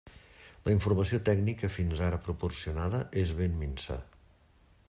La informació tècnica fins ara proporcionada és ben minsa.